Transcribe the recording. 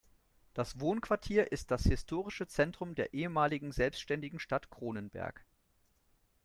Das Wohnquartier ist das historische Zentrum der ehemaligen selbstständigen Stadt Cronenberg.